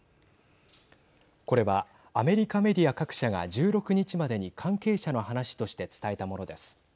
これはアメリカメディア各社が１６日までに関係者の話として伝えたものです。